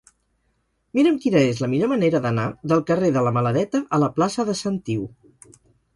Mira'm quina és la millor manera d'anar del carrer de la Maladeta a la plaça de Sant Iu.